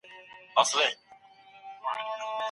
ميرمني د خاوندانو سره بايد څنګه ژوند وکړي؟